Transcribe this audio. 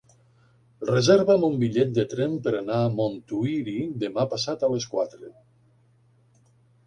Reserva'm un bitllet de tren per anar a Montuïri demà passat a les quatre.